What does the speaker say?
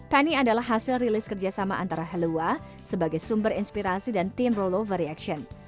panny adalah hasil rilis kerjasama antara hellua sebagai sumber inspirasi dan team rolover reaction